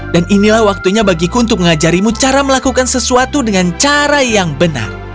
dan inilah waktunya bagiku untuk mengajarimu cara melakukan sesuatu dengan cara yang benar